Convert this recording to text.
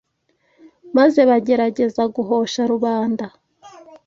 maze bagerageza guhosha rubanda